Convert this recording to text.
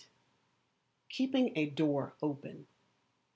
Keeping a Door Open.